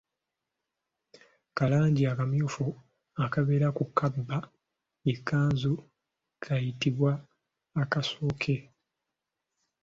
Kalangi akamyufu akabeera ku kabba y'ekkanzu kayitibwa akasoke.